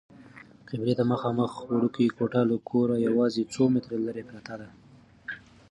قبلې ته مخامخ وړوکې کوټه له کوره یوازې څو متره لیرې پرته ده.